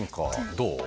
どう？